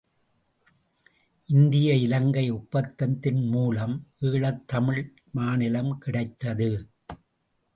இந்திய இலங்கை ஒப்பந்தத்தின் மூலம், ஈழத் தமிழ் மாநிலம் கிடைத்தது.